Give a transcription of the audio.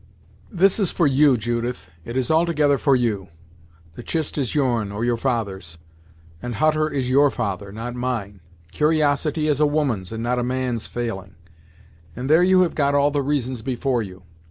"This is for you, Judith; it is altogether for you. The chist is your'n, or your father's; and Hutter is your father, not mine. Cur'osity is a woman's, and not a man's failing, and there you have got all the reasons before you.